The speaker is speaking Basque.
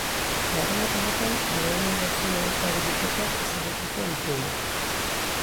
Larunbat honetan lehenengo sei abeslari bikoteak ezagutuko ditugu.